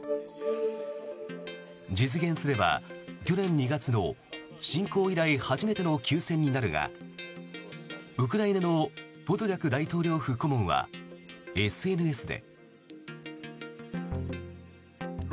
実現すれば去年２月の侵攻以来初めての休戦になるがウクライナのポドリャク大統領府顧問はＳＮＳで。